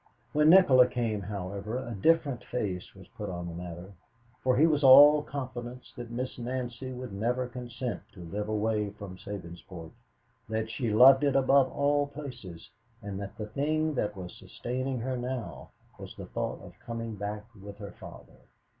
When Nikola came, however, a different face was put on the matter, for he was all confidence that Miss Nancy would never consent to live away from Sabinsport, that she loved it above all places, and that the thing that was sustaining her now was the thought of coming back with her father.